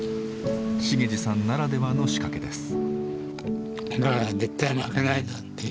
茂司さんならではの仕掛けです。